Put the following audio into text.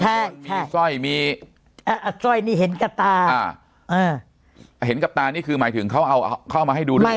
ใช่มีสร้อยมีอ่าสร้อยนี่เห็นกับตาอ่าอ่าเห็นกับตานี่คือหมายถึงเขาเอาเอาเข้ามาให้ดูด้วย